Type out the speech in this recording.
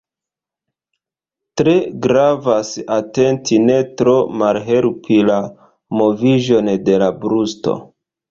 Tre gravas atenti ne tro malhelpi la moviĝon de la brusto.